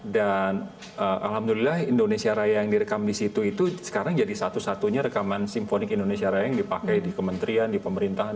dan alhamdulillah indonesia raya yang direkam di situ itu sekarang jadi satu satunya rekaman simfonik indonesia raya yang dipakai di kementerian di pemerintahan